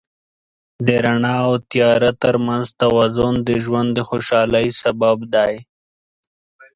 د رڼا او تیاره تر منځ توازن د ژوند د خوشحالۍ سبب دی.